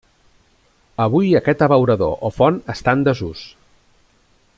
Avui aquest abeurador o font està en desús.